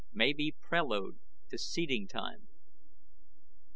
MAY BE PRELUDE TO SEEDING TIME.